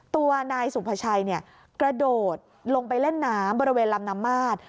ตัวนายสุภาชัยกระโดดลงไปเล่นน้ำบริเวณลำน้ำมาด